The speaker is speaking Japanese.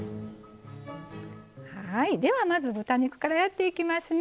はいではまず豚肉からやっていきますね。